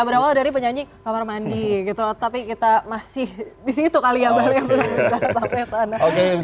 berawal dari penyanyi kamar mandi gitu tapi kita masih di situ kali yang lain